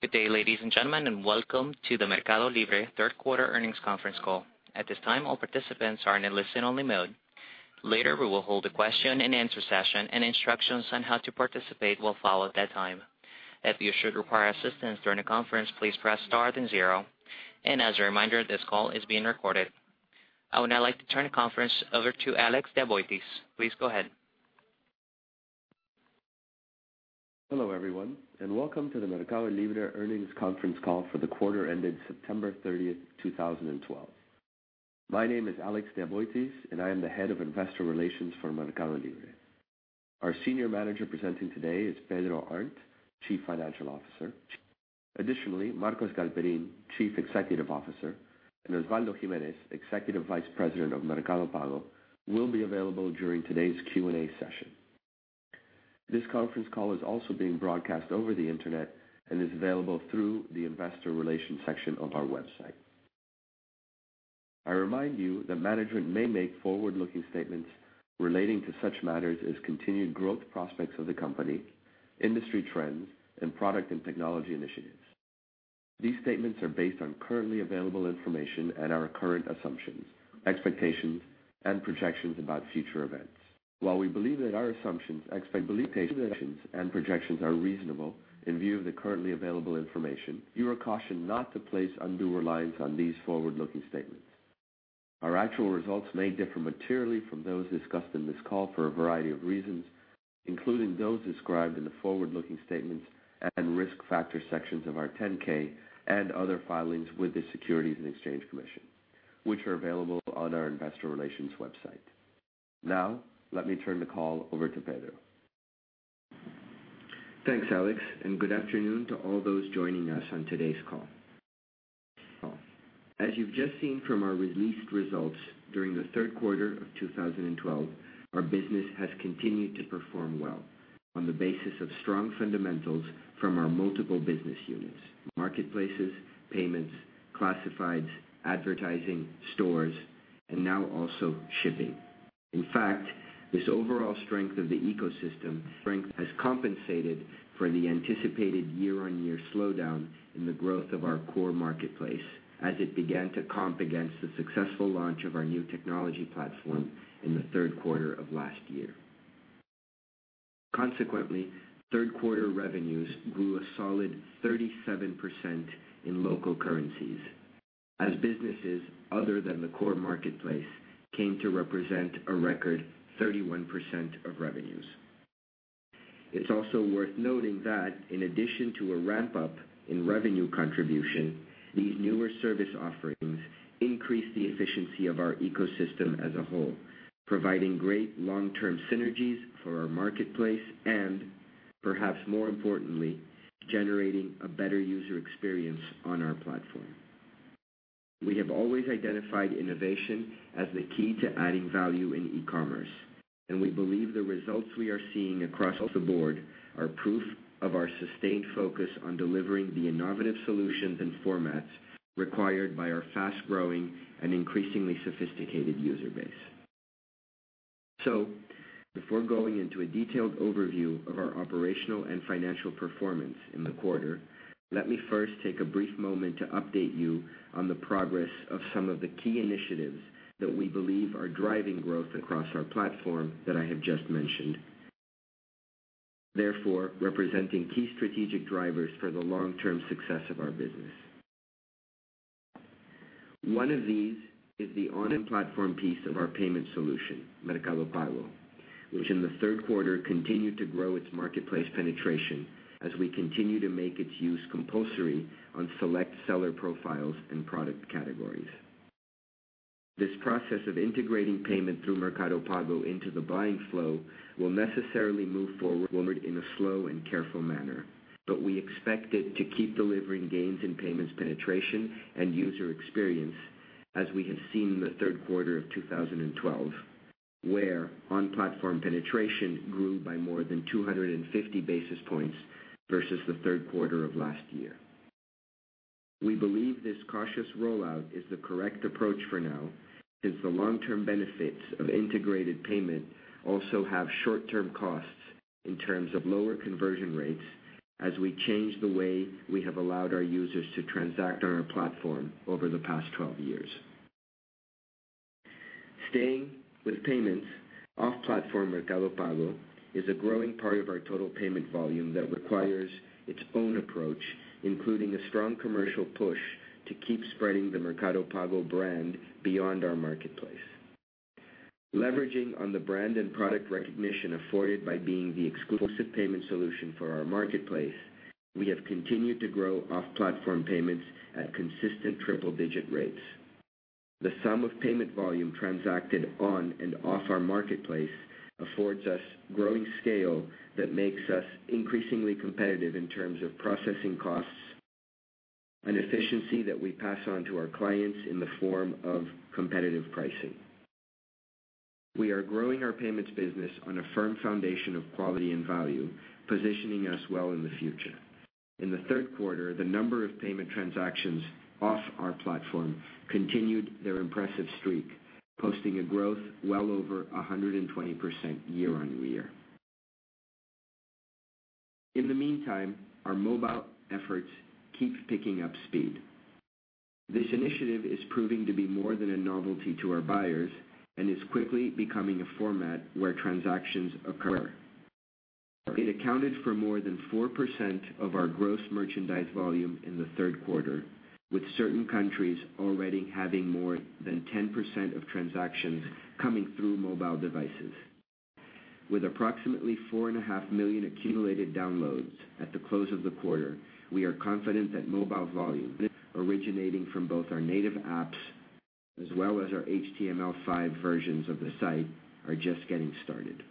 Good day, ladies and gentlemen, welcome to the MercadoLibre third quarter earnings conference call. At this time, all participants are in a listen-only mode. Later, we will hold a question-and-answer session, and instructions on how to participate will follow at that time. If you should require assistance during the conference, please press star then zero. As a reminder, this call is being recorded. I would now like to turn the conference over to Alex de Aboitiz. Please go ahead. Hello, everyone, welcome to the MercadoLibre earnings conference call for the quarter ended September 30th, 2012. My name is Alex de Aboitiz, I am the Head of Investor Relations for MercadoLibre. Our Senior Manager presenting today is Pedro Arnt, Chief Financial Officer. Additionally, Marcos Galperín, Chief Executive Officer, Osvaldo Giménez, Executive Vice President of Mercado Pago, will be available during today's Q&A session. This conference call is also being broadcast over the internet and is available through the investor relations section of our website. I remind you that management may make forward-looking statements relating to such matters as continued growth prospects of the company, industry trends, product and technology initiatives. These statements are based on currently available information and our current assumptions, expectations, and projections about future events. While we believe that our assumptions, expectations, projections are reasonable in view of the currently available information, you are cautioned not to place undue reliance on these forward-looking statements. Our actual results may differ materially from those discussed on this call for a variety of reasons, including those described in the forward-looking statements and risk factors sections of our 10-K and other filings with the Securities and Exchange Commission, which are available on our investor relations website. Now, let me turn the call over to Pedro. Thanks, Alex. Good afternoon to all those joining us on today's call. As you've just seen from our released results, during the third quarter of 2012, our business has continued to perform well on the basis of strong fundamentals from our multiple business units, marketplaces, payments, classifieds, advertising, stores, and now also shipping. In fact, this overall strength of the ecosystem has compensated for the anticipated year-on-year slowdown in the growth of our core marketplace as it began to comp against the successful launch of our new technology platform in the third quarter of last year. Consequently, third-quarter revenues grew a solid 37% in local currencies as businesses other than the core marketplace came to represent a record 31% of revenues. It's also worth noting that in addition to a ramp-up in revenue contribution, these newer service offerings increase the efficiency of our ecosystem as a whole, providing great long-term synergies for our marketplace and, perhaps more importantly, generating a better user experience on our platform. We have always identified innovation as the key to adding value in e-commerce, and we believe the results we are seeing across the board are proof of our sustained focus on delivering the innovative solutions and formats required by our fast-growing and increasingly sophisticated user base. Before going into a detailed overview of our operational and financial performance in the quarter, let me first take a brief moment to update you on the progress of some of the key initiatives that we believe are driving growth across our platform that I have just mentioned. Therefore, representing key strategic drivers for the long-term success of our business. One of these is the on-platform piece of our payment solution, Mercado Pago, which in the third quarter continued to grow its marketplace penetration as we continue to make its use compulsory on select seller profiles and product categories. This process of integrating payment through Mercado Pago into the buying flow will necessarily move forward in a slow and careful manner, but we expect it to keep delivering gains in payments penetration and user experience, as we have seen in the third quarter of 2012, where on-platform penetration grew by more than 250 basis points versus the third quarter of last year. We believe this cautious rollout is the correct approach for now, since the long-term benefits of integrated payment also have short-term costs in terms of lower conversion rates as we change the way we have allowed our users to transact on our platform over the past 12 years. Staying with payments, off-platform Mercado Pago is a growing part of our total payment volume that requires its own approach, including a strong commercial push to keep spreading the Mercado Pago brand beyond our marketplace. Leveraging on the brand and product recognition afforded by being the exclusive payment solution for our marketplace, we have continued to grow off-platform payments at consistent triple-digit rates. The sum of payment volume transacted on and off our marketplace affords us growing scale that makes us increasingly competitive in terms of processing costs and efficiency that we pass on to our clients in the form of competitive pricing. We are growing our payments business on a firm foundation of quality and value, positioning us well in the future. In the third quarter, the number of payment transactions off our platform continued their impressive streak, posting a growth well over 120% year-on-year. In the meantime, our mobile efforts keep picking up speed. This initiative is proving to be more than a novelty to our buyers and is quickly becoming a format where transactions occur. It accounted for more than 4% of our gross merchandise volume in the third quarter, with certain countries already having more than 10% of transactions coming through mobile devices. With approximately 4.5 million accumulated downloads at the close of the quarter, we are confident that mobile volume originating from both our native apps as well as our HTML5 versions of the site are just getting started.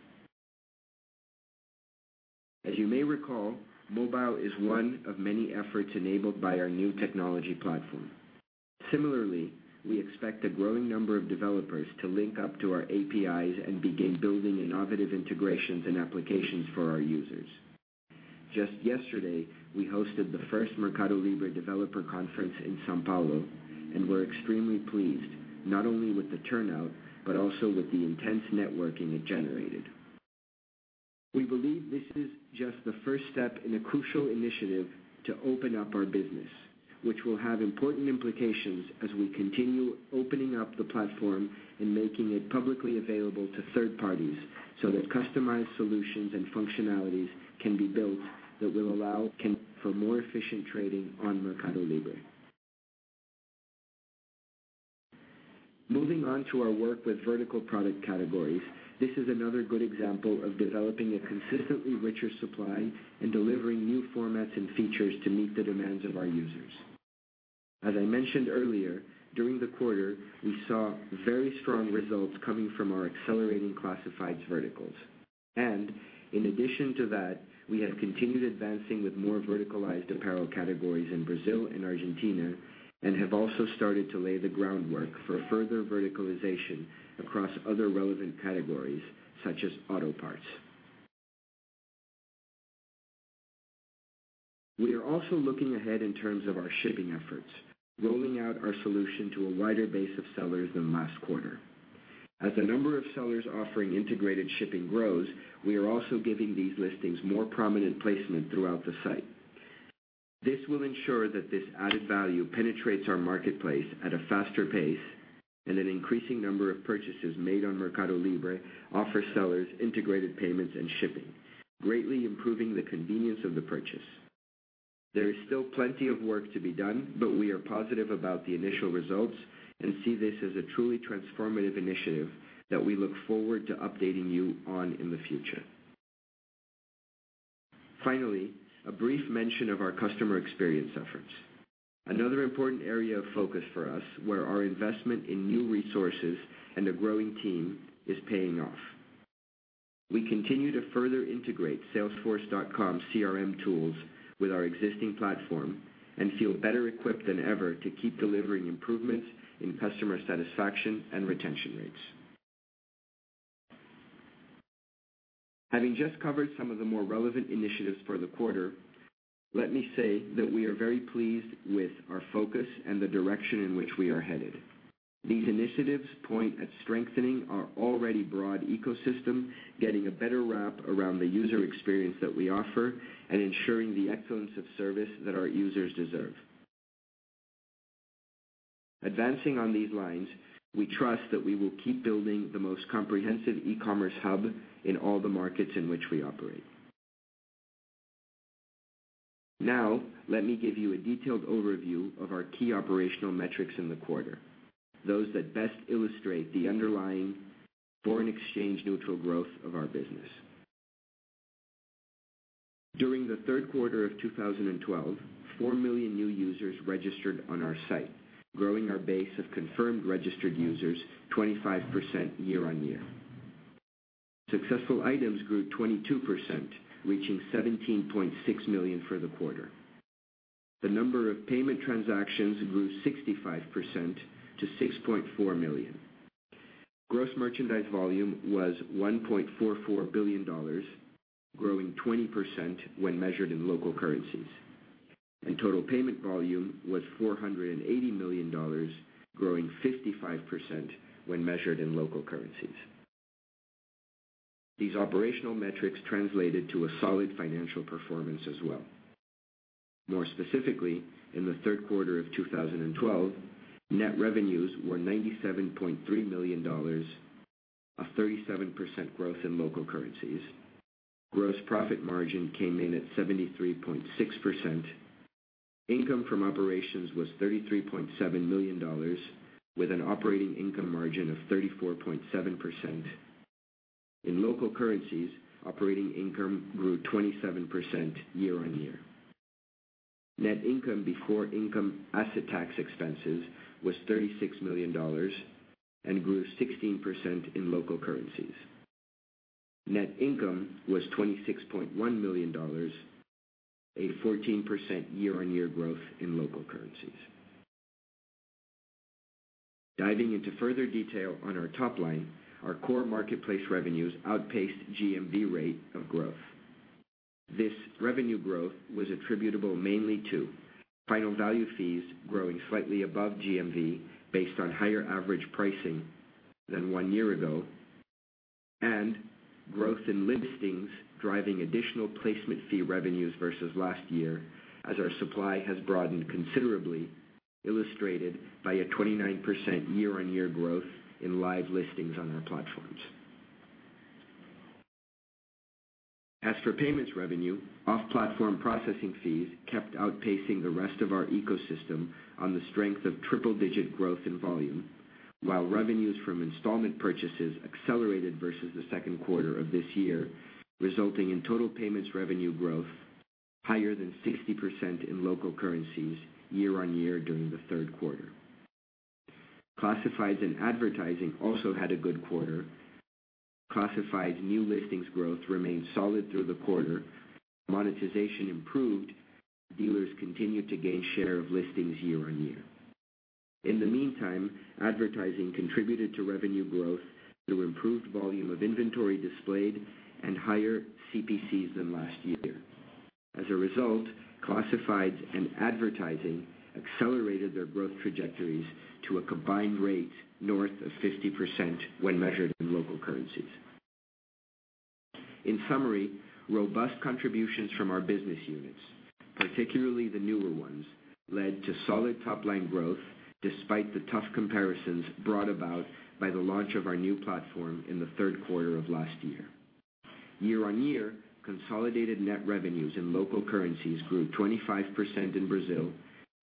As you may recall, mobile is one of many efforts enabled by our new technology platform. Similarly, we expect a growing number of developers to link up to our APIs and begin building innovative integrations and applications for our users. Just yesterday, we hosted the first MercadoLibre developer conference in São Paulo and were extremely pleased, not only with the turnout, but also with the intense networking it generated. We believe this is just the first step in a crucial initiative to open up our business, which will have important implications as we continue opening up the platform and making it publicly available to third parties so that customized solutions and functionalities can be built that will allow for more efficient trading on MercadoLibre. Moving on to our work with vertical product categories. This is another good example of developing a consistently richer supply and delivering new formats and features to meet the demands of our users. As I mentioned earlier, during the quarter, we saw very strong results coming from our accelerating classifieds verticals. In addition to that, we have continued advancing with more verticalized apparel categories in Brazil and Argentina and have also started to lay the groundwork for further verticalization across other relevant categories such as auto parts. We are also looking ahead in terms of our shipping efforts, rolling out our solution to a wider base of sellers than last quarter. As the number of sellers offering integrated shipping grows, we are also giving these listings more prominent placement throughout the site. This will ensure that this added value penetrates our marketplace at a faster pace, and an increasing number of purchases made on MercadoLibre offer sellers integrated payments and shipping, greatly improving the convenience of the purchase. There is still plenty of work to be done, but we are positive about the initial results and see this as a truly transformative initiative that we look forward to updating you on in the future. Finally, a brief mention of our customer experience efforts. Another important area of focus for us, where our investment in new resources and a growing team is paying off. We continue to further integrate salesforce.com CRM tools with our existing platform and feel better equipped than ever to keep delivering improvements in customer satisfaction and retention rates. Having just covered some of the more relevant initiatives for the quarter, let me say that we are very pleased with our focus and the direction in which we are headed. These initiatives point at strengthening our already broad ecosystem, getting a better wrap around the user experience that we offer, and ensuring the excellence of service that our users deserve. Advancing on these lines, we trust that we will keep building the most comprehensive e-commerce hub in all the markets in which we operate. Now, let me give you a detailed overview of our key operational metrics in the quarter, those that best illustrate the underlying foreign exchange neutral growth of our business. During the third quarter of 2012, 4 million new users registered on our site, growing our base of confirmed registered users 25% year-on-year. Successful items grew 22%, reaching 17.6 million for the quarter. The number of payment transactions grew 65% to 6.4 million. Gross merchandise volume was $1.44 billion, growing 20% when measured in local currencies, and total payment volume was $480 million, growing 55% when measured in local currencies. These operational metrics translated to a solid financial performance as well. More specifically, in the third quarter of 2012, net revenues were $97.3 million, a 37% growth in local currencies. Gross profit margin came in at 73.6%. Income from operations was $33.7 million, with an operating income margin of 34.7%. In local currencies, operating income grew 27% year-on-year. Net income before income asset tax expenses was $36 million and grew 16% in local currencies. Net income was $26.1 million, a 14% year-on-year growth in local currencies. Diving into further detail on our top line, our core marketplace revenues outpaced GMV rate of growth. This revenue growth was attributable mainly to final value fees growing slightly above GMV based on higher average pricing than one year ago, and growth in listings driving additional placement fee revenues versus last year as our supply has broadened considerably, illustrated by a 29% year-on-year growth in live listings on our platforms. As for payments revenue, off-platform processing fees kept outpacing the rest of our ecosystem on the strength of triple-digit growth in volume, while revenues from installment purchases accelerated versus the second quarter of this year, resulting in total payments revenue growth higher than 60% in local currencies year-on-year during the third quarter. Classifieds and advertising also had a good quarter. Classifieds new listings growth remained solid through the quarter. Monetization improved. Dealers continued to gain share of listings year-on-year. In the meantime, advertising contributed to revenue growth through improved volume of inventory displayed and higher CPCs than last year. As a result, classifieds and advertising accelerated their growth trajectories to a combined rate north of 50% when measured in local currencies. In summary, robust contributions from our business units, particularly the newer ones, led to solid top-line growth despite the tough comparisons brought about by the launch of our new platform in the third quarter of last year. Year-on-year, consolidated net revenues in local currencies grew 25% in Brazil,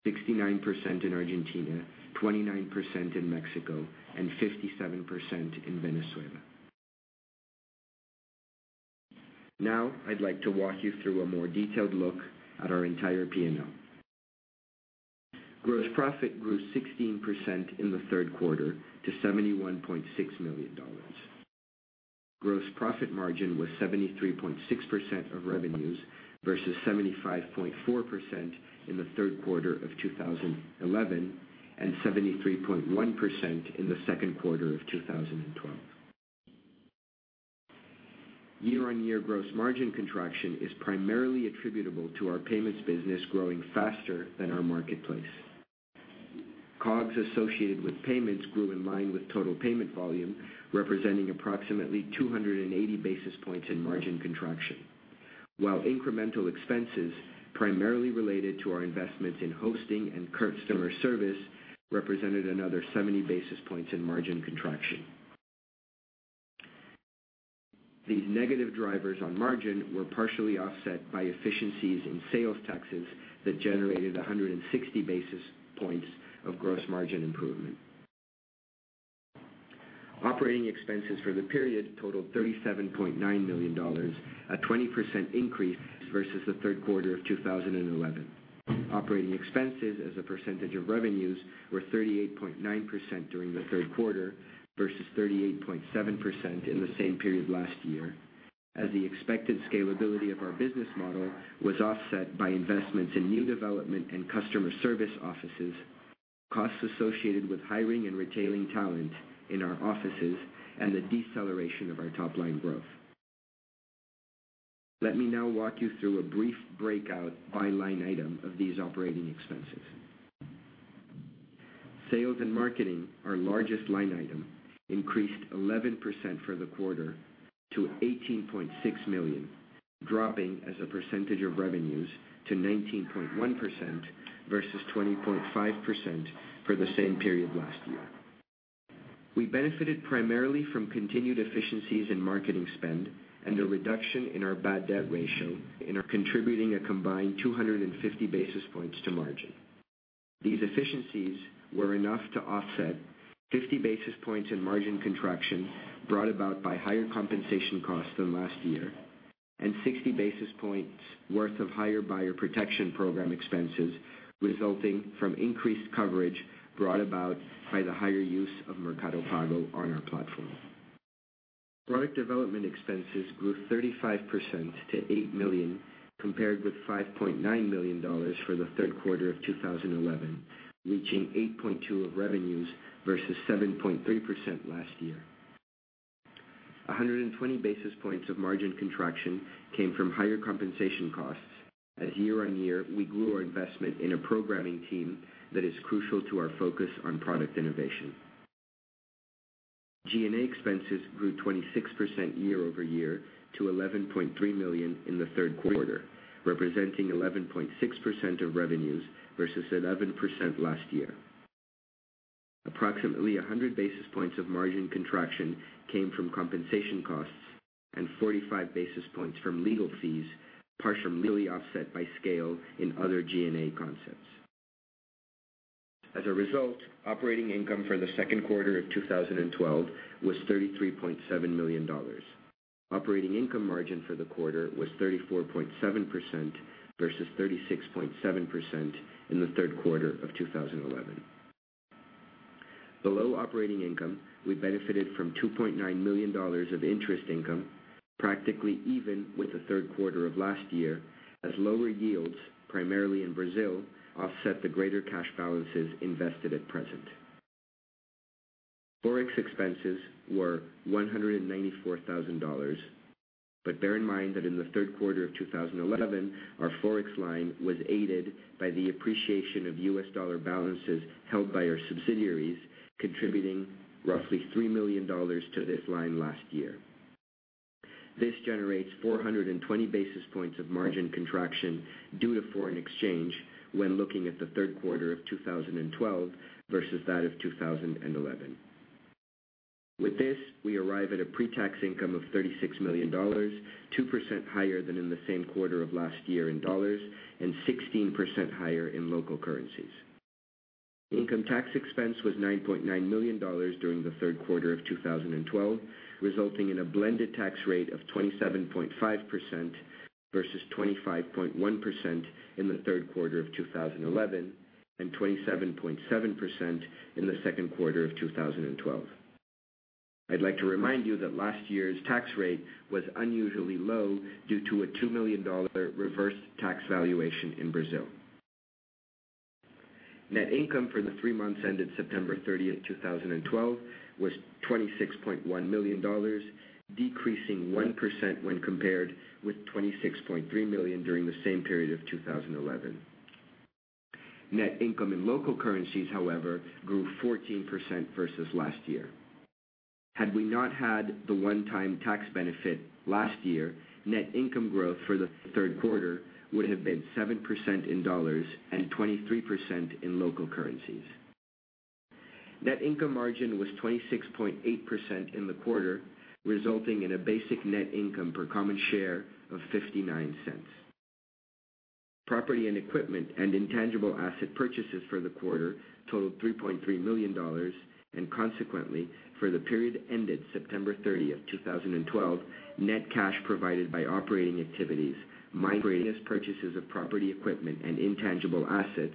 69% in Argentina, 29% in Mexico, and 57% in Venezuela. Now, I'd like to walk you through a more detailed look at our entire P&L. Gross profit grew 16% in the third quarter to $71.6 million. Gross profit margin was 73.6% of revenues versus 75.4% in the third quarter of 2011 and 73.1% in the second quarter of 2012. Year-on-year gross margin contraction is primarily attributable to our payments business growing faster than our marketplace. COGS associated with payments grew in line with total payment volume, representing approximately 280 basis points in margin contraction. While incremental expenses, primarily related to our investments in hosting and customer service, represented another 70 basis points in margin contraction. These negative drivers on margin were partially offset by efficiencies in sales taxes that generated 160 basis points of gross margin improvement. Operating expenses for the period totaled $37.9 million, a 20% increase versus the third quarter of 2011. Operating expenses as a percentage of revenues were 38.9% during the third quarter versus 38.7% in the same period last year. As the expected scalability of our business model was offset by investments in new development and customer service offices, costs associated with hiring and retaining talent in our offices, and the deceleration of our top-line growth. Let me now walk you through a brief breakout by line item of these operating expenses. Sales and marketing, our largest line item, increased 11% for the quarter to $18.6 million, dropping as a percentage of revenues to 19.1% versus 20.5% for the same period last year. We benefited primarily from continued efficiencies in marketing spend and a reduction in our bad debt ratio contributing a combined 250 basis points to margin. These efficiencies were enough to offset 50 basis points in margin contraction brought about by higher compensation costs than last year and 60 basis points worth of higher buyer protection program expenses resulting from increased coverage brought about by the higher use of Mercado Pago on our platform. Product development expenses grew 35% to $8 million compared with $5.9 million for the third quarter of 2011, reaching 8.2% of revenues versus 7.3% last year. 120 basis points of margin contraction came from higher compensation costs as year-on-year, we grew our investment in a programming team that is crucial to our focus on product innovation. G&A expenses grew 26% year-over-year to $11.3 million in the third quarter, representing 11.6% of revenues versus 11% last year. Approximately 100 basis points of margin contraction came from compensation costs and 45 basis points from legal fees, partially offset by scale in other G&A concepts. As a result, operating income for the second quarter of 2012 was $33.7 million. Operating income margin for the quarter was 34.7% versus 36.7% in the third quarter of 2011. Below operating income, we benefited from $2.9 million of interest income, practically even with the third quarter of last year, as lower yields, primarily in Brazil, offset the greater cash balances invested at present. Forex expenses were $194,000. Bear in mind that in the third quarter of 2011, our Forex line was aided by the appreciation of US dollar balances held by our subsidiaries, contributing roughly $3 million to this line last year. This generates 420 basis points of margin contraction due to foreign exchange when looking at the third quarter of 2012 versus that of 2011. With this, we arrive at a pre-tax income of $36 million, 2% higher than in the same quarter of last year in dollars and 16% higher in local currencies. Income tax expense was $9.9 million during the third quarter of 2012, resulting in a blended tax rate of 27.5% versus 25.1% in the third quarter of 2011 and 27.7% in the second quarter of 2012. I'd like to remind you that last year's tax rate was unusually low due to a $2 million reverse tax valuation in Brazil. Net income for the three months ended September 30th, 2012, was $26.1 million, decreasing 1% when compared with $26.3 million during the same period of 2011. Net income in local currencies, however, grew 14% versus last year. Had we not had the one-time tax benefit last year, net income growth for the third quarter would have been 7% in dollars and 23% in local currencies. Net income margin was 26.8% in the quarter, resulting in a basic net income per common share of $0.59. Property and equipment and intangible asset purchases for the quarter totaled $3.3 million. Consequently, for the period ended September 30th, 2012, net cash provided by operating activities minus purchases of property equipment and intangible assets,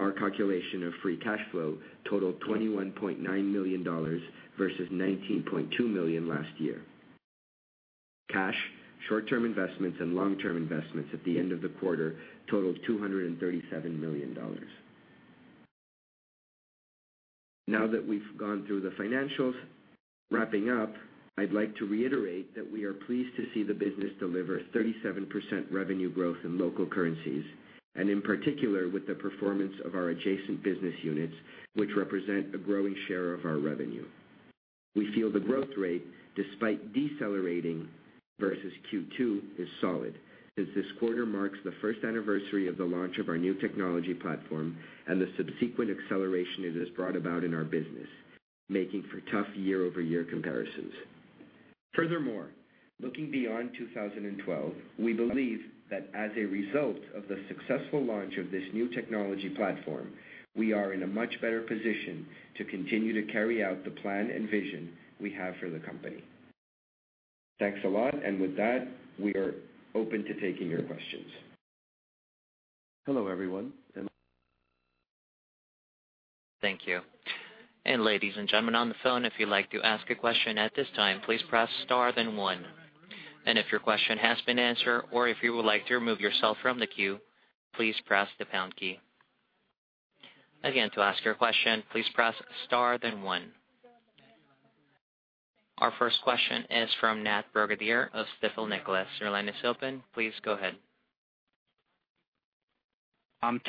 our calculation of free cash flow totaled $21.9 million versus $19.2 million last year. Cash, short-term investments, and long-term investments at the end of the quarter totaled $237 million. Now that we've gone through the financials, wrapping up, I'd like to reiterate that we are pleased to see the business deliver 37% revenue growth in local currencies, and in particular, with the performance of our adjacent business units, which represent a growing share of our revenue. We feel the growth rate, despite decelerating versus Q2, is solid, as this quarter marks the first anniversary of the launch of our new technology platform and the subsequent acceleration it has brought about in our business, making for tough year-over-year comparisons. Looking beyond 2012, we believe that as a result of the successful launch of this new technology platform, we are in a much better position to continue to carry out the plan and vision we have for the company. Thanks a lot. With that, we are open to taking your questions. Hello, everyone. Thank you. Ladies and gentlemen on the phone, if you'd like to ask a question at this time, please press star then one. If your question has been answered or if you would like to remove yourself from the queue, please press the pound key. Again, to ask your question, please press star then one. Our first question is from Nat Brogadir of Stifel Nicolaus. Your line is open. Please go ahead.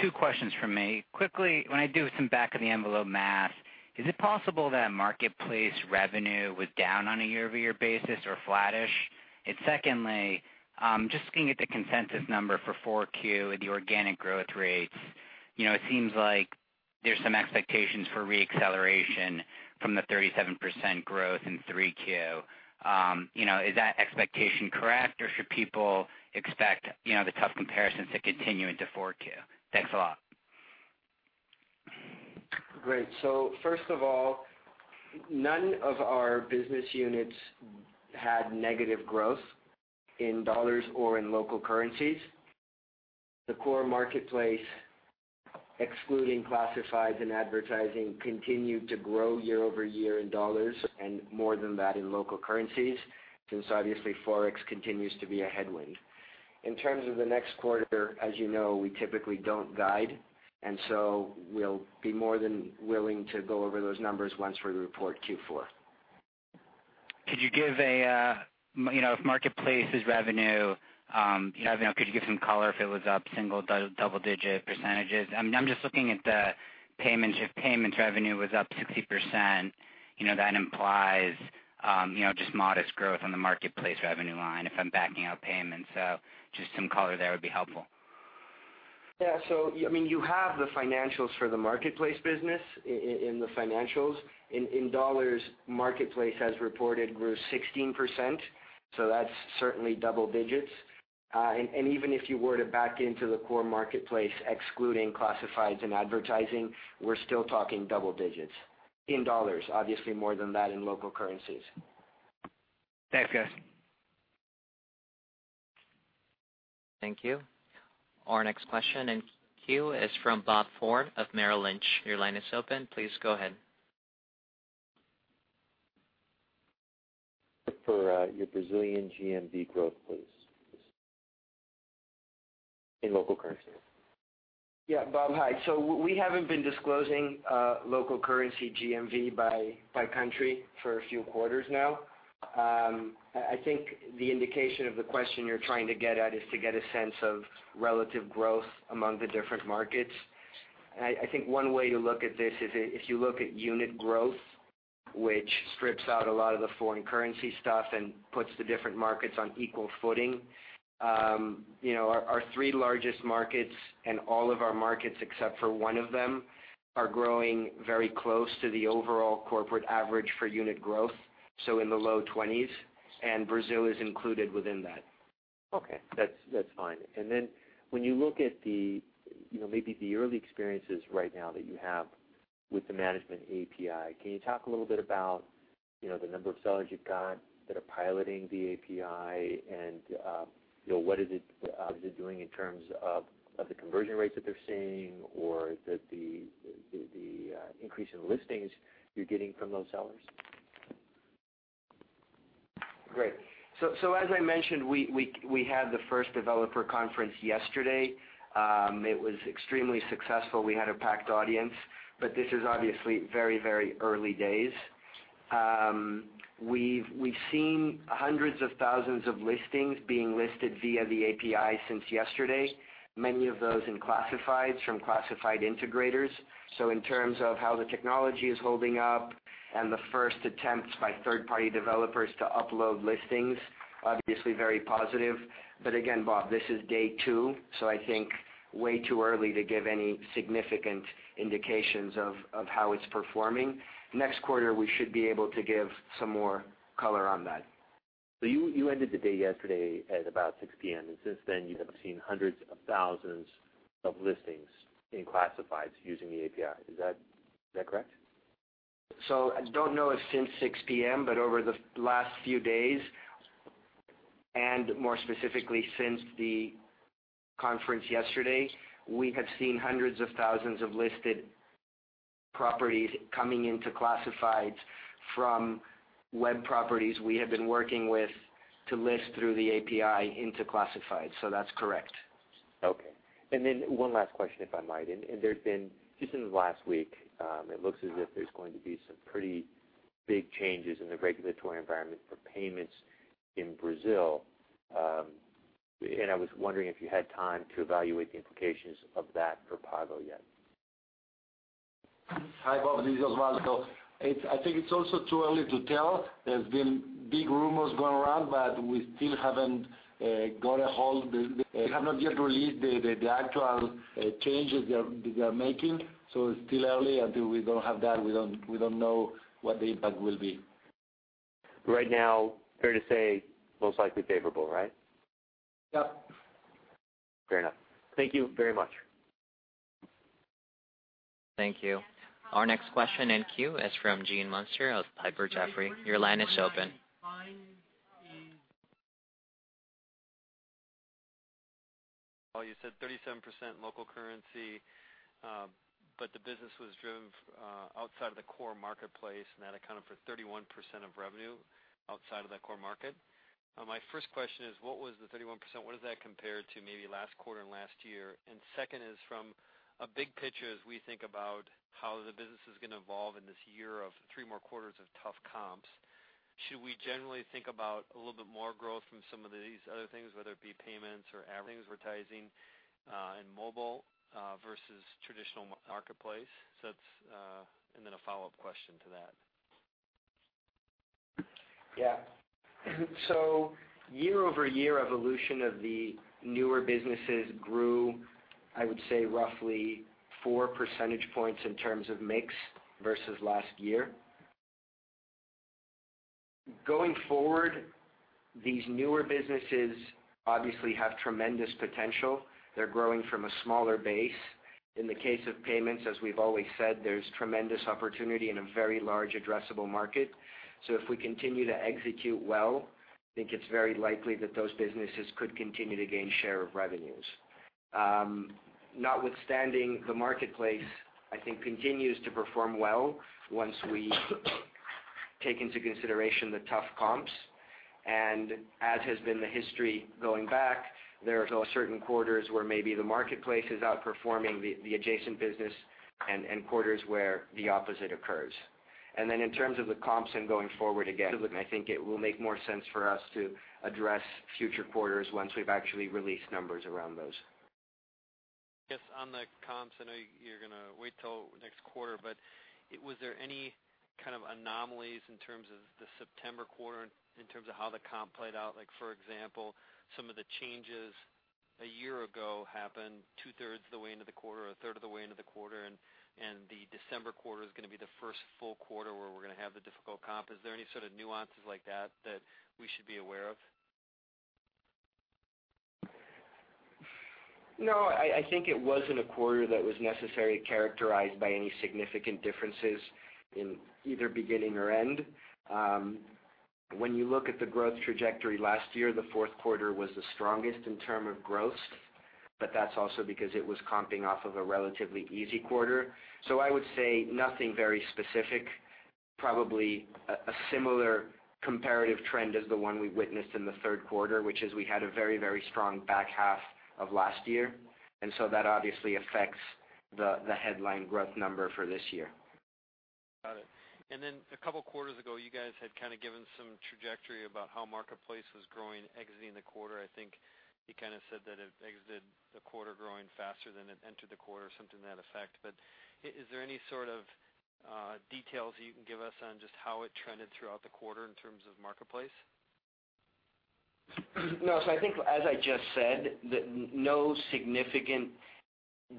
Two questions from me. Quickly, when I do some back of the envelope math, is it possible that marketplace revenue was down on a year-over-year basis or flattish? Secondly, just looking at the consensus number for 4Q, the organic growth rates, it seems like there's some expectations for re-acceleration from the 37% growth in 3Q. Is that expectation correct, or should people expect the tough comparisons to continue into 4Q? Thanks a lot. Great. First of all, none of our business units had negative growth in $ or in local currencies. The core marketplace, excluding classifieds and advertising, continued to grow year-over-year in $ and more than that in local currencies, since obviously Forex continues to be a headwind. In terms of the next quarter, as you know, we typically don't guide, we'll be more than willing to go over those numbers once we report Q4. If marketplace is revenue, could you give some color if it was up, single, double-digit percentages? I'm just looking at the payments. If payments revenue was up 60%, that implies just modest growth on the marketplace revenue line if I'm backing out payments. Just some color there would be helpful. Yeah. You have the financials for the marketplace business in the financials. In $, marketplace as reported grew 16%, that's certainly double digits. Even if you were to back into the core marketplace excluding classifieds and advertising, we're still talking double digits in $, obviously more than that in local currencies. Thanks, guys. Thank you. Our next question in queue is from Justin Post of Merrill Lynch. Your line is open. Please go ahead. For your Brazilian GMV growth, please. In local currency. Yeah, Bob. Hi. We haven't been disclosing local currency GMV by country for a few quarters now. I think the indication of the question you're trying to get at is to get a sense of relative growth among the different markets. I think one way to look at this is if you look at unit growth, which strips out a lot of the foreign currency stuff and puts the different markets on equal footing. Our three largest markets and all of our markets, except for one of them, are growing very close to the overall corporate average for unit growth, so in the low 20s, and Brazil is included within that. Okay. That's fine. When you look at maybe the early experiences right now that you have with the management API, can you talk a little bit about the number of sellers you've got that are piloting the API, and what is it doing in terms of the conversion rates that they're seeing, or the increase in listings you're getting from those sellers? Great. As I mentioned, we had the first developer conference yesterday. It was extremely successful. We had a packed audience. This is obviously very early days. We've seen hundreds of thousands of listings being listed via the API since yesterday, many of those in classifieds from classified integrators. In terms of how the technology is holding up and the first attempts by third-party developers to upload listings, obviously very positive. Again, Bob, this is day two, I think way too early to give any significant indications of how it's performing. Next quarter, we should be able to give some more color on that. You ended the day yesterday at about 6:00 P.M., and since then you have seen hundreds of thousands of listings in classifieds using the API. Is that correct? I don't know if since 6:00 P.M., but over the last few days, and more specifically since the conference yesterday, we have seen hundreds of thousands of listed properties coming into classifieds from web properties we have been working with to list through the API into classifieds. That's correct. Okay. One last question, if I might. There's been, just in the last week, it looks as if there's going to be some pretty big changes in the regulatory environment for payments in Brazil. I was wondering if you had time to evaluate the implications of that for Pago yet. Hi, Justin, this is Osvaldo. I think it's also too early to tell. There's been big rumors going around, we still haven't got a hold. They have not yet released the actual changes they are making, it's still early. Until we don't have that, we don't know what the impact will be. Right now, fair to say, most likely favorable, right? Yep. Fair enough. Thank you very much. Thank you. Our next question in queue is from Gene Munster of Piper Jaffray. Your line is open. Paul, you said 37% local currency, but the business was driven outside of the core marketplace, and that accounted for 31% of revenue outside of that core market. My first question is, what was the 31%? What does that compare to maybe last quarter and last year? Second is from a big picture, as we think about how the business is going to evolve in this year of three more quarters of tough comps. Should we generally think about a little bit more growth from some of these other things, whether it be payments or advertising and mobile versus traditional marketplace? Then a follow-up question to that. Yeah. Year-over-year evolution of the newer businesses grew, I would say, roughly four percentage points in terms of mix versus last year. Going forward, these newer businesses obviously have tremendous potential. They're growing from a smaller base. In the case of payments, as we've always said, there's tremendous opportunity in a very large addressable market. If we continue to execute well, I think it's very likely that those businesses could continue to gain share of revenues. Notwithstanding, the marketplace, I think, continues to perform well once we take into consideration the tough comps. As has been the history going back, there are certain quarters where maybe the marketplace is outperforming the adjacent business and quarters where the opposite occurs. In terms of the comps and going forward, again, I think it will make more sense for us to address future quarters once we've actually released numbers around those. Was there any kind of anomalies in terms of the September quarter in terms of how the comp played out? Like for example, some of the changes a year ago happened two-thirds of the way into the quarter, a third of the way into the quarter, and the December quarter is going to be the first full quarter where we're going to have the difficult comp. Is there any sort of nuances like that we should be aware of? No, I think it wasn't a quarter that was necessarily characterized by any significant differences in either beginning or end. When you look at the growth trajectory last year, the fourth quarter was the strongest in term of growth. That's also because it was comping off of a relatively easy quarter. I would say nothing very specific. Probably a similar comparative trend as the one we witnessed in the third quarter, which is we had a very strong back half of last year. That obviously affects the headline growth number for this year. Got it. A couple of quarters ago, you guys had given some trajectory about how Marketplace was growing exiting the quarter. I think you said that it exited the quarter growing faster than it entered the quarter, something to that effect, is there any sort of details that you can give us on just how it trended throughout the quarter in terms of Marketplace? No. I think as I just said, no significant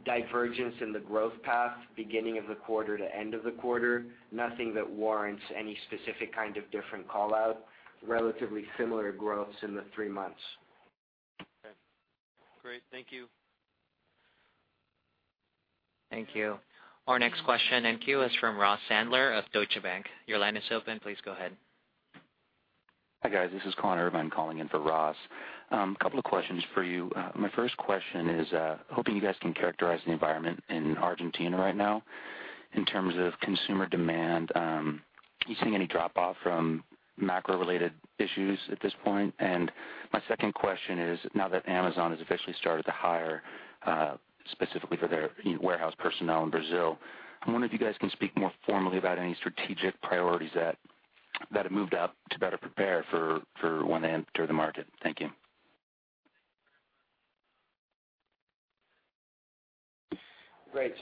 divergence in the growth path, beginning of the quarter to end of the quarter, nothing that warrants any specific kind of different call-out. Relatively similar growths in the three months. Okay, great. Thank you. Thank you. Our next question in queue is from Ross Sandler of Deutsche Bank. Your line is open. Please go ahead. Hi, guys. This is Connor Irvine calling in for Ross. Couple of questions for you. My first question is, hoping you guys can characterize the environment in Argentina right now in terms of consumer demand. Are you seeing any drop-off from macro-related issues at this point? My second question is, now that Amazon has officially started to hire specifically for their warehouse personnel in Brazil, I wonder if you guys can speak more formally about any strategic priorities that have moved up to better prepare for when they enter the market. Thank you. Great.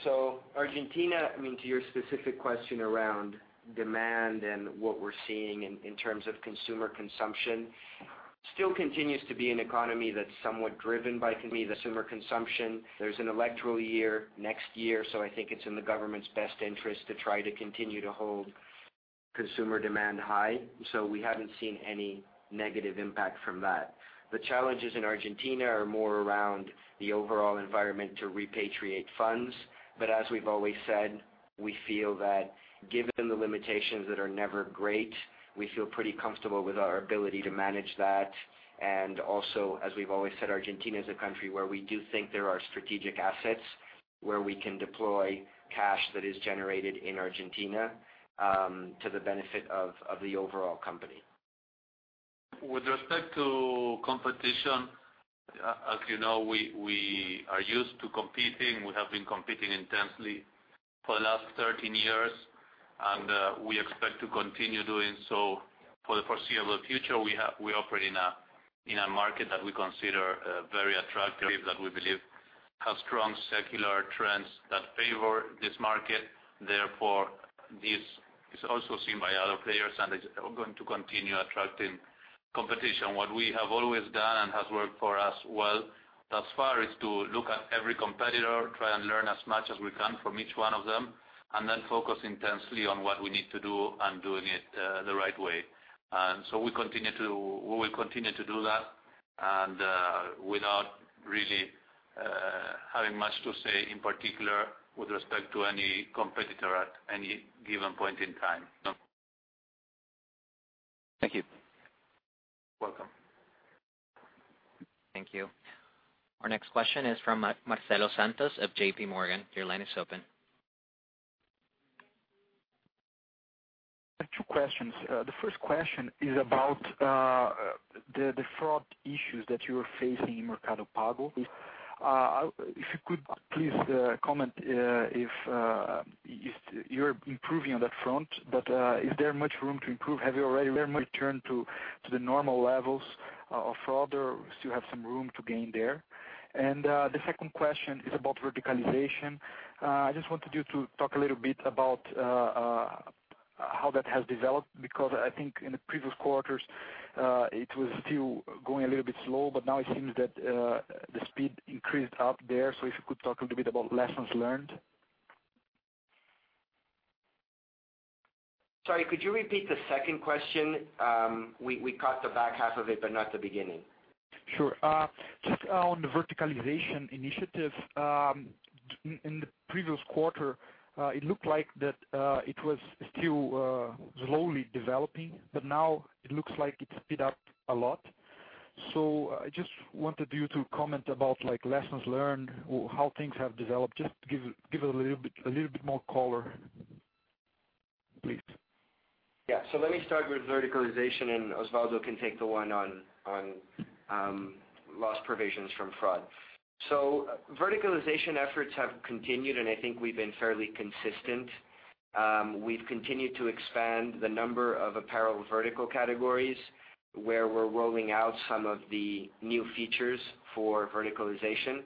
Argentina, to your specific question around demand and what we're seeing in terms of consumer consumption, still continues to be an economy that's somewhat driven by consumer consumption. There's an electoral year next year, I think it's in the government's best interest to try to continue to hold consumer demand high. We haven't seen any negative impact from that. The challenges in Argentina are more around the overall environment to repatriate funds. As we've always said, we feel that given the limitations that are never great, we feel pretty comfortable with our ability to manage that. Also, as we've always said, Argentina is a country where we do think there are strategic assets where we can deploy cash that is generated in Argentina, to the benefit of the overall company. With respect to competition, as you know, we are used to competing. We have been competing intensely for the last 13 years, and we expect to continue doing so for the foreseeable future. We operate in a market that we consider very attractive, that we believe has strong secular trends that favor this market. Therefore, this is also seen by other players and is going to continue attracting competition. What we have always done and has worked for us well thus far, is to look at every competitor, try and learn as much as we can from each one of them, and then focus intensely on what we need to do and doing it the right way. We will continue to do that and without really having much to say in particular with respect to any competitor at any given point in time. No. Thank you. Welcome. Thank you. Our next question is from Marcelo Santos of JP Morgan. Your line is open. I have two questions. The first question is about the fraud issues that you are facing in Mercado Pago. If you could please comment if you're improving on that front, but is there much room to improve? Have you already returned to the normal levels of fraud, or do you still have some room to gain there? The second question is about verticalization. I just wanted you to talk a little bit about how that has developed, because I think in the previous quarters, it was still going a little bit slow, but now it seems that the speed increased up there. If you could talk a little bit about lessons learned. Sorry, could you repeat the second question? We caught the back half of it, but not the beginning. Sure. Just on the verticalization initiative. In the previous quarter, it looked like that it was still slowly developing, but now it looks like it speed up a lot. I just wanted you to comment about lessons learned, how things have developed. Just give a little bit more color, please. Let me start with verticalization, and Osvaldo can take the one on loss provisions from fraud. Verticalization efforts have continued, and I think we've been fairly consistent. We've continued to expand the number of apparel vertical categories where we're rolling out some of the new features for verticalization.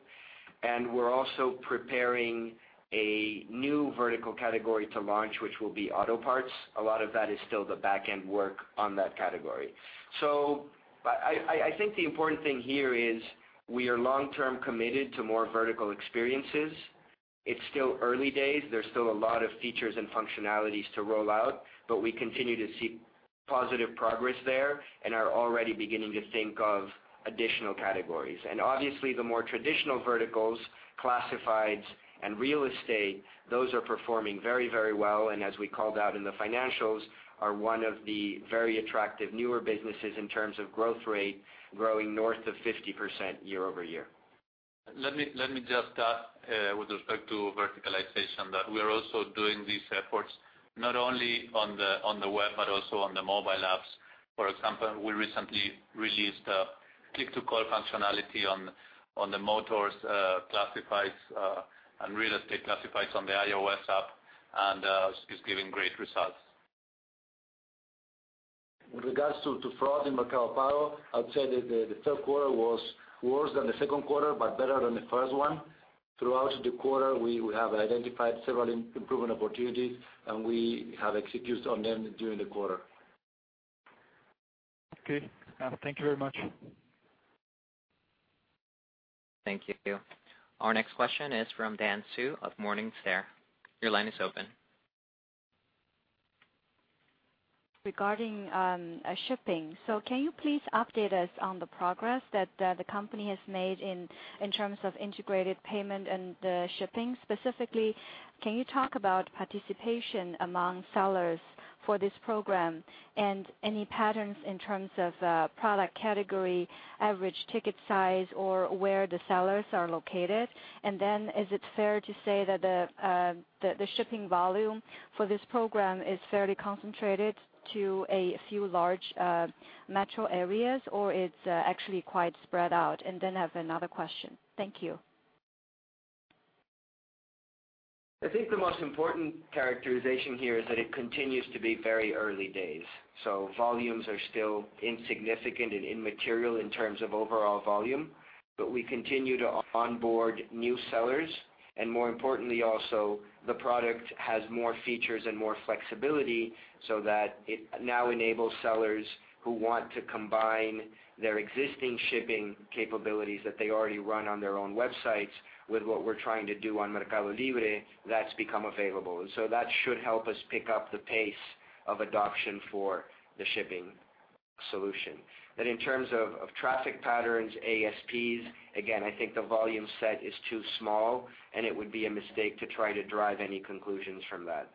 And we're also preparing a new vertical category to launch, which will be auto parts. A lot of that is still the back-end work on that category. I think the important thing here is we are long-term committed to more vertical experiences. It's still early days. There's still a lot of features and functionalities to roll out, but we continue to see positive progress there and are already beginning to think of additional categories. Obviously the more traditional verticals Classifieds and real estate, those are performing very well, and as we called out in the financials, are one of the very attractive newer businesses in terms of growth rate, growing north of 50% year-over-year. Let me just add, with respect to verticalization, that we are also doing these efforts not only on the web but also on the mobile apps. For example, we recently released a click-to-call functionality on the motors classifieds and real estate classifieds on the iOS app, and it's giving great results. With regards to fraud in Mercado Pago, I'd say that the third quarter was worse than the second quarter, but better than the first one. Throughout the quarter, we have identified several improvement opportunities, and we have executed on them during the quarter. Okay. Thank you very much. Thank you. Our next question is from Dan Su of Morningstar. Your line is open. Regarding shipping. Can you please update us on the progress that the company has made in terms of integrated payment and shipping? Specifically, can you talk about participation among sellers for this program and any patterns in terms of product category, average ticket size, or where the sellers are located? Is it fair to say that the shipping volume for this program is fairly concentrated to a few large metro areas, or it's actually quite spread out? I have another question. Thank you. I think the most important characterization here is that it continues to be very early days. Volumes are still insignificant and immaterial in terms of overall volume. We continue to onboard new sellers, and more importantly, also, the product has more features and more flexibility, so that it now enables sellers who want to combine their existing shipping capabilities that they already run on their own websites with what we're trying to do on MercadoLibre, that's become available. That should help us pick up the pace of adoption for the shipping solution. In terms of traffic patterns, ASPs, again, I think the volume set is too small, and it would be a mistake to try to derive any conclusions from that.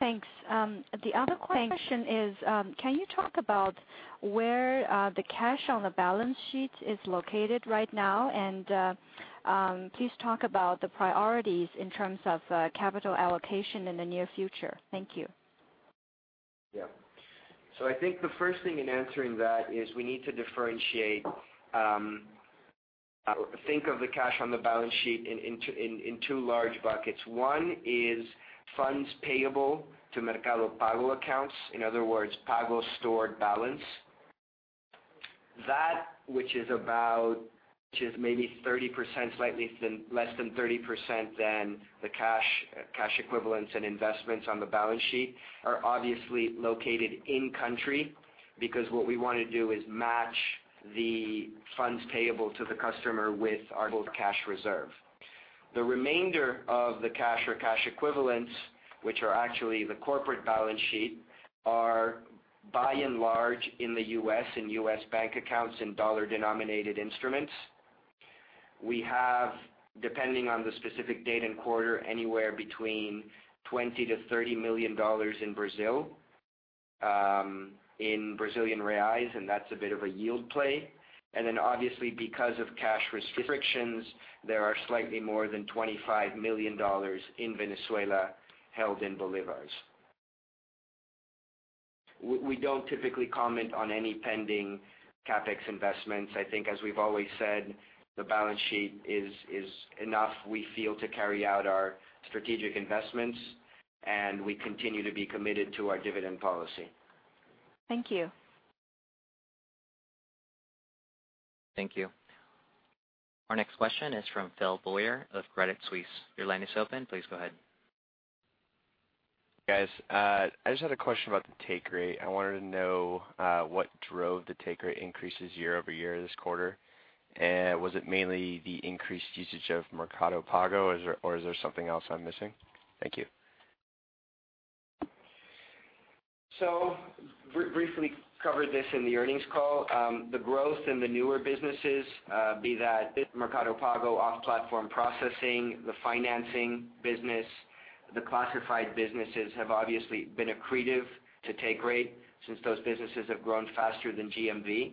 Thanks. The other question is, can you talk about where the cash on the balance sheet is located right now? Please talk about the priorities in terms of capital allocation in the near future. Thank you. Yeah. I think the first thing in answering that is we need to differentiate. Think of the cash on the balance sheet in two large buckets. One is funds payable to Mercado Pago accounts. In other words, Pago stored balance. That which is maybe 30%, slightly less than 30% than the cash equivalents and investments on the balance sheet, are obviously located in country, because what we want to do is match the funds payable to the customer with our both cash reserve. The remainder of the cash or cash equivalents, which are actually the corporate balance sheet, are by and large in the U.S. and U.S. bank accounts and dollar-denominated instruments. We have, depending on the specific date and quarter, anywhere between BRL 20 million-BRL 30 million in Brazil, in Brazilian reais, and that's a bit of a yield play. Because of cash restrictions, there are slightly more than VEF 25 million in Venezuela held in bolivars. We don't typically comment on any pending CapEx investments. I think as we've always said, the balance sheet is enough, we feel, to carry out our strategic investments. We continue to be committed to our dividend policy. Thank you. Thank you. Our next question is from Phil Boyer of Credit Suisse. Your line is open. Please go ahead. Guys, I just had a question about the take rate. I wanted to know what drove the take rate increases year-over-year this quarter. Was it mainly the increased usage of Mercado Pago, or is there something else I'm missing? Thank you. Briefly covered this in the earnings call. The growth in the newer businesses be that Mercado Pago, off-platform processing, the financing business, the classified businesses have obviously been accretive to take rate since those businesses have grown faster than GMV.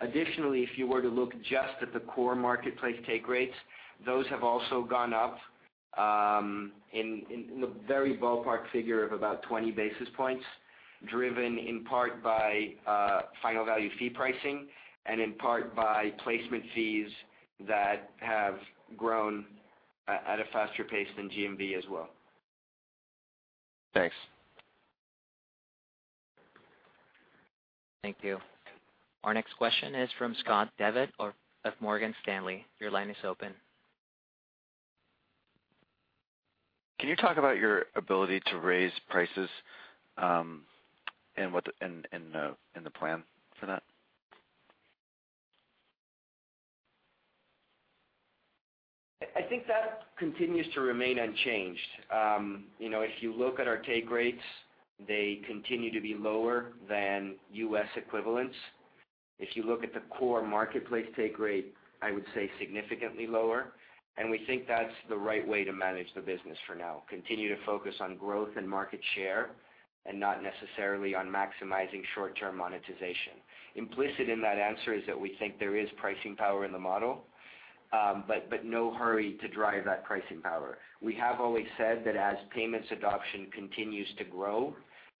Additionally, if you were to look just at the core marketplace take rates, those have also gone up in the very ballpark figure of about 20 basis points, driven in part by final value fee pricing and in part by placement fees that have grown at a faster pace than GMV as well. Thanks. Thank you. Our next question is from Scott Devitt of Morgan Stanley. Your line is open. Can you talk about your ability to raise prices? The plan for that? I think that continues to remain unchanged. If you look at our take rates, they continue to be lower than U.S. equivalents. If you look at the core marketplace take rate, I would say significantly lower, and we think that's the right way to manage the business for now. Continue to focus on growth and market share, and not necessarily on maximizing short-term monetization. Implicit in that answer is that we think there is pricing power in the model, but no hurry to drive that pricing power. We have always said that as payments adoption continues to grow,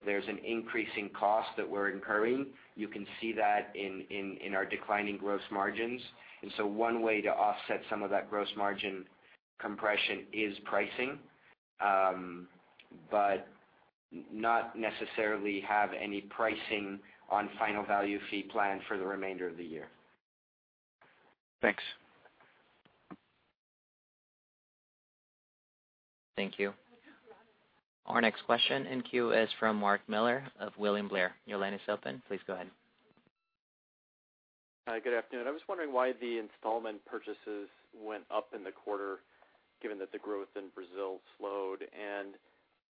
there's an increasing cost that we're incurring. You can see that in our declining gross margins. One way to offset some of that gross margin compression is pricing, but not necessarily have any pricing on final value fee plan for the remainder of the year. Thanks. Thank you. Our next question in queue is from Mark Miller of William Blair. Your line is open. Please go ahead. Hi, good afternoon. I was wondering why the installment purchases went up in the quarter, given that the growth in Brazil slowed.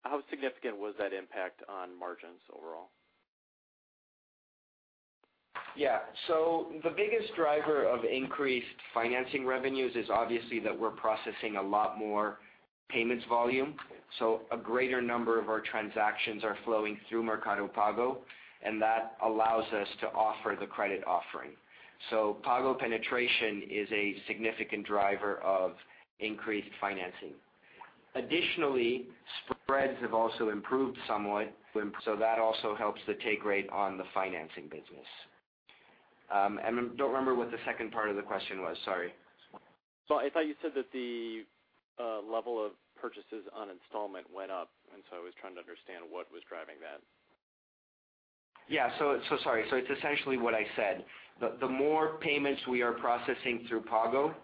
How significant was that impact on margins overall? Yeah. The biggest driver of increased financing revenues is obviously that we're processing a lot more payments volume. A greater number of our transactions are flowing through Mercado Pago, and that allows us to offer the credit offering. Pago penetration is a significant driver of increased financing. Additionally, spreads have also improved somewhat, so that also helps the take rate on the financing business. I don't remember what the second part of the question was. Sorry. I thought you said that the level of purchases on installment went up, and so I was trying to understand what was driving that. Yeah. Sorry. It's essentially what I said. The more payments we are processing through Pago,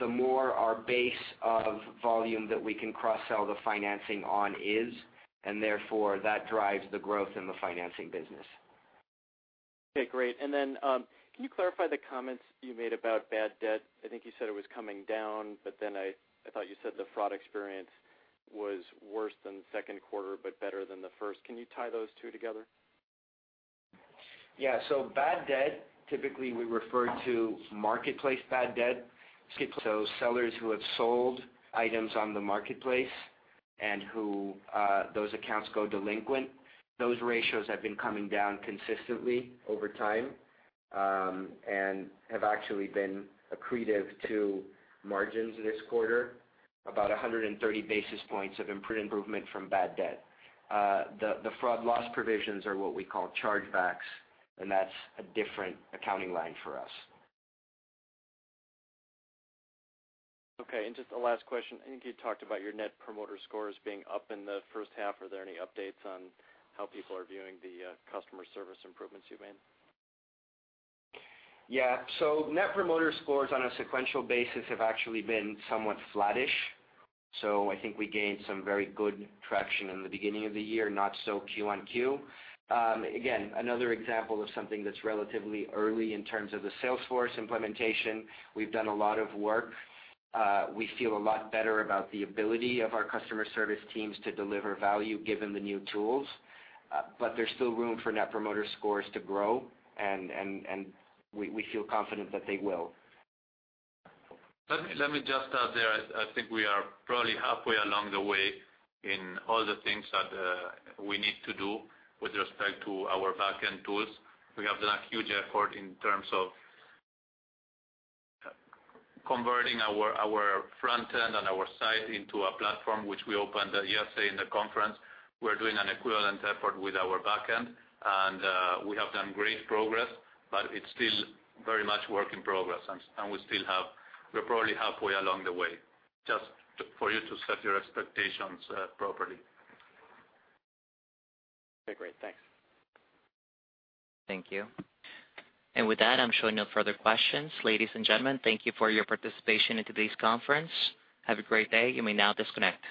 the more our base of volume that we can cross-sell the financing on is, and therefore that drives the growth in the financing business. Okay, great. Can you clarify the comments you made about bad debt? I think you said it was coming down, but then I thought you said the fraud experience was worse than second quarter, but better than the first. Can you tie those two together? Yeah. Bad debt, typically, we refer to marketplace bad debt. Sellers who have sold items on the marketplace and those accounts go delinquent. Those ratios have been coming down consistently over time, and have actually been accretive to margins this quarter. About 130 basis points of improvement from bad debt. The fraud loss provisions are what we call chargebacks, and that's a different accounting line for us. Okay, just the last question, I think you talked about your Net Promoter Score being up in the first half. Are there any updates on how people are viewing the customer service improvements you've made? Yeah. Net Promoter Score on a sequential basis have actually been somewhat flattish. I think we gained some very good traction in the beginning of the year, not so Q-on-Q. Again, another example of something that's relatively early in terms of the Salesforce implementation. We've done a lot of work. We feel a lot better about the ability of our customer service teams to deliver value given the new tools. There's still room for Net Promoter Score to grow, and we feel confident that they will. Let me just add there, I think we are probably halfway along the way in all the things that we need to do with respect to our backend tools. We have done a huge effort in terms of converting our frontend and our site into a platform which we opened yesterday in the conference. We're doing an equivalent effort with our backend, and we have done great progress, but it's still very much work in progress. We're probably halfway along the way. Just for you to set your expectations properly. Okay, great. Thanks. Thank you. With that, I'm showing no further questions. Ladies and gentlemen, thank you for your participation in today's conference. Have a great day. You may now disconnect.